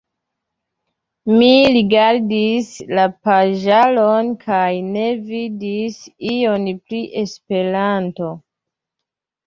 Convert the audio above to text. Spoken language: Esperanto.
Mi rigardis la paĝaron kaj ne vidis ion pri Esperanto.